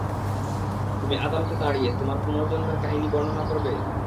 তুমি আদালতে দাঁড়িয়ে তোমার পুনর্জন্মের কাহিনী বর্ণনা করবে?